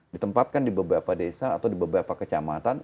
ditempatkan di beberapa desa atau di beberapa kecamatan